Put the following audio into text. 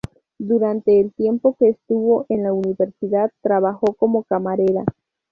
Durante el tiempo que estuvo en la universidad, trabajó como camarera.